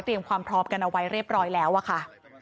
ความพร้อมกันเอาไว้เรียบร้อยแล้วอะค่ะ